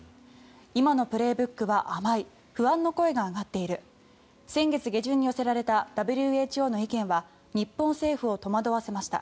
今の「プレーブック」は甘い不安の声が上がっている先月下旬に寄せられたＷＨＯの意見は日本政府を戸惑わせました。